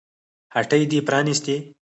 هټۍ دې پرانيستې